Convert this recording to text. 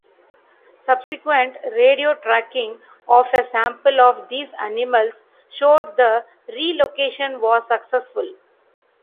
Subsequent radio-tracking of a sample of these animals showed the relocation was successful.